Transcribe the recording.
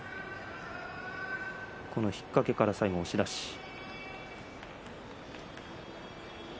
引っ掛けから最後押し出しです。